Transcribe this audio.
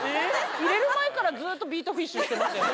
入れる前からずっとビートフィッシュしてましたよね。